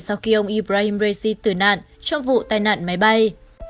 sau khi ông ibrah raisi tử nạn trong vụ tai nạn máy bay